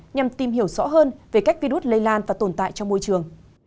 nhằm tìm hiểu rõ hơn về cách virus lây lan và tồn tại trong môi trường